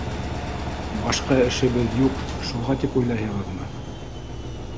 Башҡа эшебеҙ юҡ, шуға тип уйлайһығыҙмы?